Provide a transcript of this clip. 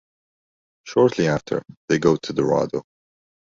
Shortly after, they go to Dorado.